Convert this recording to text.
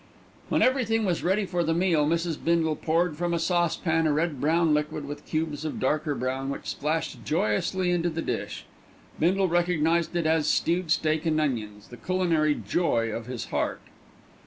When everything was ready for the meal Mrs. Bindle poured from a saucepan a red brown liquid with cubes of a darker brown, which splashed joyously into the dish. Bindle recognised it as stewed steak and onions, the culinary joy of his heart.